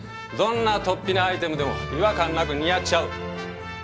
どんなとっぴなアイテムでも違和感なく似合っちゃう！